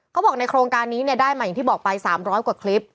เขาบอกในโครงการนี้เนี่ยได้มาอย่างที่บอกไป๓๐๐กว่าคลิป